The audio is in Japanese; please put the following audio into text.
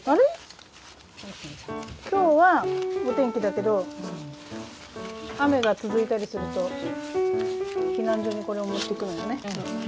今日はお天気だけど雨が続いたりすると避難所にこれを持って行くのよね。